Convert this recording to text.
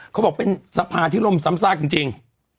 เขาบอกเป็นสภาทิศลมศรรย์สามทราคจริง